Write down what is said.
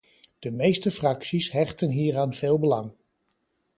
De meeste fracties hechten hieraan veel belang.